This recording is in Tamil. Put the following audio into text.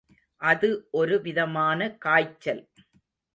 அது ஒரு விதமான காய்ச்சல்.